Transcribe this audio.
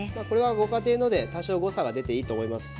ご家庭ので多少誤差が出ていくと思います。